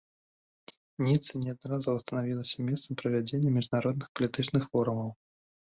Ніца неаднаразова станавілася месцам правядзення міжнародных палітычных форумаў.